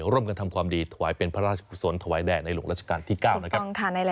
ร่วมกันทำความดีถวายเป็นพระราชกุศลถวายแด่ในหลวงราชการที่๙นะครับ